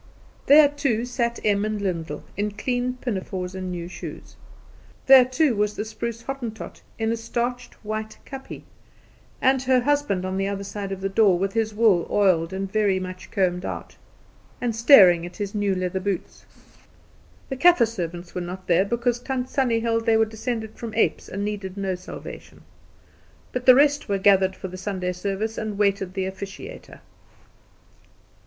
There too sat Em and Lyndall, in clean pinafores and new shoes. There too was the spruce Hottentot in a starched white kapje, and her husband on the other side of the door, with his wool oiled and very much combed out, and staring at his new leather boots. The Kaffer servants were not there because Tant Sannie held they were descended from apes, and needed no salvation. But the rest were gathered for the Sunday service, and waited the officiator.